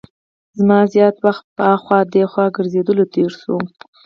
زما زیات وخت په هاخوا دیخوا ګرځېدلو کې تېر شو.